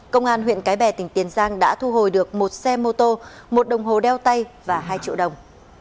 công an huyện cái bè tỉnh tiền giang đã thu hồi được một xe mô tô một đồng hồ đeo tay và hai triệu đồng